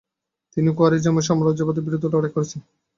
তিনি খোয়ারিজমীয় সাম্রাজ্যের বিরুদ্ধে লড়াই করেছেন।